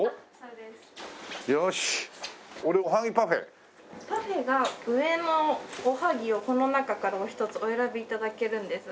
パフェが上のおはぎをこの中からお一つお選び頂けるんですが。